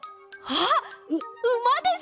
あっうまです！